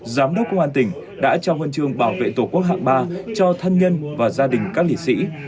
giám đốc công an tỉnh đã trao huân chương bảo vệ tổ quốc hạng ba cho thân nhân và gia đình các liệt sĩ